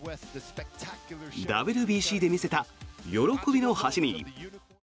ＷＢＣで見せた、喜びの走り。